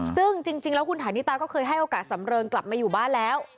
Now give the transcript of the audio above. ซึ่งจริงแล้วคุณฐานิตาก็เคยให้โอกาสสำเริงกลับมาอยู่บ้านแล้ว